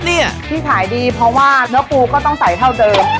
นี่ที่ขายดีเพราะว่าเนื้อปูก็ต้องใส่เท่าเดิม